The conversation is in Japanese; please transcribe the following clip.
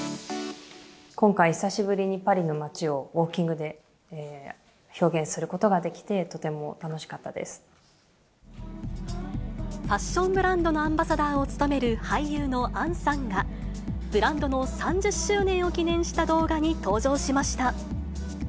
今回、久しぶりにパリの町をウォーキングで表現することができて、ファッションブランドのアンバサダーを務める俳優の杏さんが、ブランドの３０周年を記念した動画に登場しました。